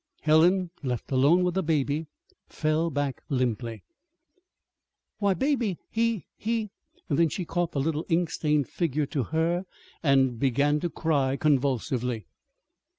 Helen, left alone with the baby, fell back limply. "Why, Baby, he he " Then she caught the little ink stained figure to her and began to cry convulsively.